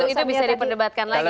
itu bisa diperdebatkan lagi